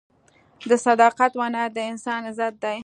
د صداقت وینا د انسان عزت دی.